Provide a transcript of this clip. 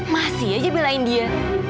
masih aja belain dia